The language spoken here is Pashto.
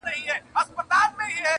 پاچهي دي مبارک سه چوروندکه-